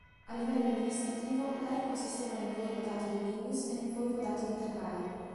A livello amministrativo, l’area consisteva nel Voivodato di Vilnius e nel Voivodato di Trakai.